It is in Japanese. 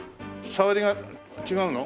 触りが違うの？